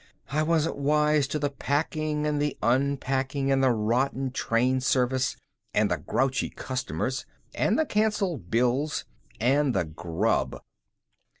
I wasn't wise to the packing, and the unpacking, and the rotten train service, and the grouchy customers, and the canceled bills, and the grub."